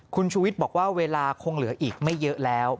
คุณชูวิทย์บอกว่าเวลาคงเหลืออีกไม่เยอะแล้ว